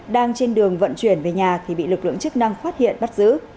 đang trên đường vận chuyển về nhà thì bị lực lượng chức năng phát hiện bắt giữ